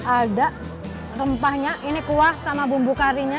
ada rempahnya ini kuah sama bumbu karinya